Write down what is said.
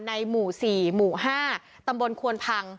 หมู่๔หมู่๕ตำบลควนพัง